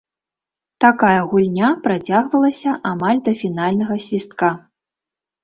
Такая гульня працягвалася амаль да фінальнага свістка.